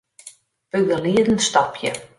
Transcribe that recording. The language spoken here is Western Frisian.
Begelieden stopje.